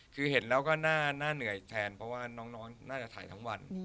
คือเห็นแล้วก็น่าเหนื่อยแทนเพราะว่าน้องน่าจะถ่ายทั้งวัน